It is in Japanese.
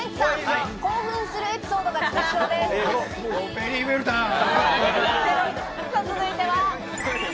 ベリーウェルダン！